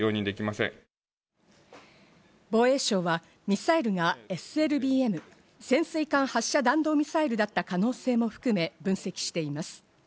防衛省は、ミサイルがＳＬＢＭ＝潜水艦発射弾道ミサイルだった可能性も含め分析しています。